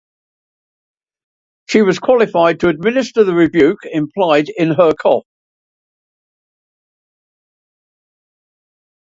She was qualified to administer the rebuke implied in her cough.